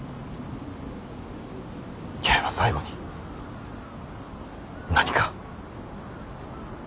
八重は最後に何か。